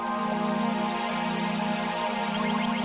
setiap kali berangkat